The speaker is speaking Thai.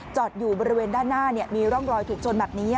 จอดอยู่บริเวณด้านหน้ามีร่องรอยถูกชนแบบนี้